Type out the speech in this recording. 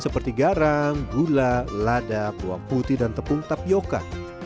seperti garam gula lada bawang putih dan tepung tapioca